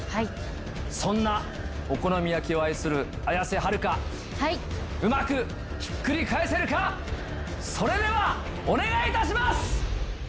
そんなお好み焼きを愛する綾瀬はるかうまくひっくり返せるか⁉それではお願いいたします！